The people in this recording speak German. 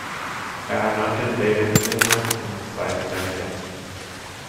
Er ernannte David Zinman zum zweiten Dirigenten.